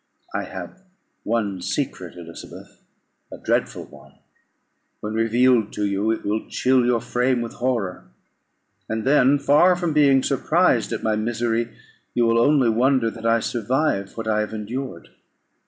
I have one secret, Elizabeth, a dreadful one; when revealed to you, it will chill your frame with horror, and then, far from being surprised at my misery, you will only wonder that I survive what I have endured.